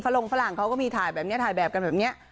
ลงฝรั่งเขาก็มีถ่ายแบบนี้ถ่ายแบบกันแบบนี้